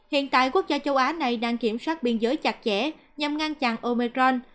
hiện tại quốc gia châu á này đang kiểm soát biên giới chặt chẽ nhằm ngăn chặn omecron